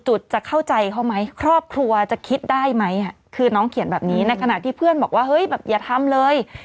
จุดจะเข้าใจเขาไหมครอบครัวจะคิดได้ไหมคือน้องเขียนแบบนี้ในขณะที่เพื่อนบอกว่าเฮ้ยแบบอย่าทำเลย